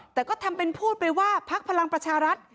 แต่ก็ทำเป็นพูดไปว่าพักพลังประชารัฐ